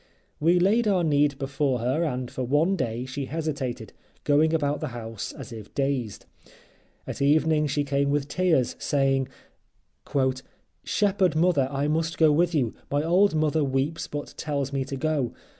We laid our need before her and for one day she hesitated, going about the house as if dazed. At evening she came with tears, saying, "Shepherd Mother, I must go with you. My old mother weeps but tells me to go.